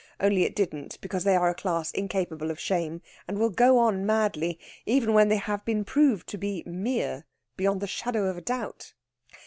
Only it didn't, because they are a class incapable of shame, and will go on madly, even when they have been proved to be mere, beyond the shadow of a doubt.